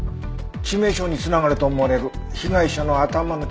致命傷に繋がると思われる被害者の頭の傷。